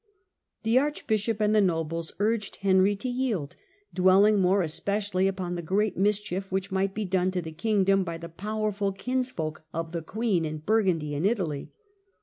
The archbishop and the nobles urged Henry to yield, dwelling more especially upon the great mischief The king which might be done to the kingdom by the i^e^to*^ powerful kinsfolk of the queen in Burgundy hia wife ^^Q^ Italy.